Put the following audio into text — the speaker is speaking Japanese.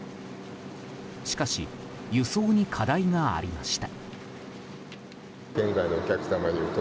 しかし輸送に課題がありました。